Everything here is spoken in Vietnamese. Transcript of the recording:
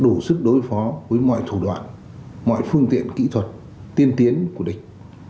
đủ sức đối phó với mọi thủ đoạn mọi phương tiện kỹ thuật tiên tiến của địch